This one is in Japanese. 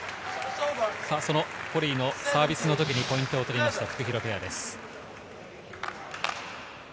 ポリイのサービスの時にポイントを取りました、フクヒロペアです。